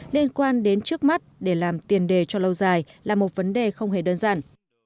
liên quan đến trước mắt để làm tiền đề cho lâu dài là một vấn đề không hề đơn giản